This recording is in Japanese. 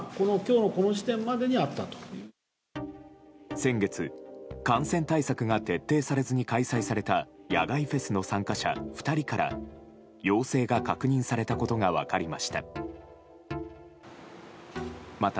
先月、感染対策が徹底されずに開催された野外フェスの参加者２人から陽性が確認されたことが分かりました。